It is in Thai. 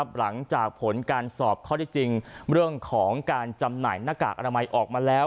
หลังจากผลการสอบข้อที่จริงเรื่องของการจำหน่ายหน้ากากอนามัยออกมาแล้ว